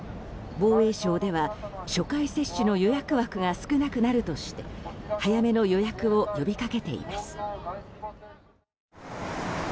防衛省では初回接種の予約枠が少なくなるとして早めの予約を呼びかけています。